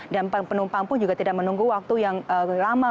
dan penumpang pun juga tidak menunggu waktu yang lama